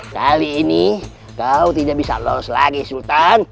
kali ini kau tidak bisa lolos lagi sultan